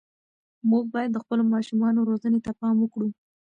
موږ باید د خپلو ماشومانو روزنې ته پام وکړو.